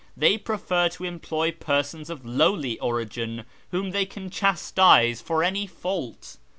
They prefer to employ persons of lowly origin, whom they can chastise for any fault.